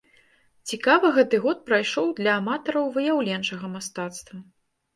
Цікава гэты год прайшоў для аматараў выяўленчага мастацтва.